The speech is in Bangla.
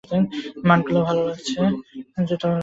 মাঠগুলো ভালো লাগছে?